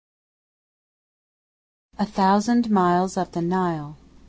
A Thousand Miles Up The Nile.